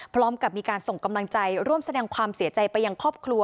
พร้อมกับมีการส่งกำลังใจร่วมแสดงความเสียใจไปยังครอบครัว